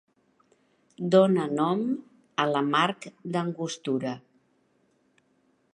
Dóna nom a l'amarg d'Angostura.